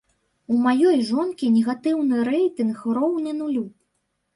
У маёй жонкі негатыўны рэйтынг роўны нулю.